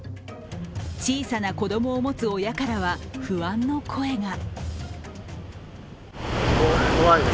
小さな子供を持つ親からは不安の声が。